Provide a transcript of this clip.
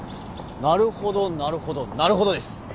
なるほどなるほどなるほどです。